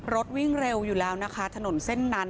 วิ่งเร็วอยู่แล้วนะคะถนนเส้นนั้น